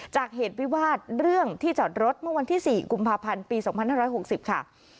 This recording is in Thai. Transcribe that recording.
เหตุวิวาสเรื่องที่จอดรถเมื่อวันที่๔กุมภาพันธ์ปี๒๕๖๐ค่ะ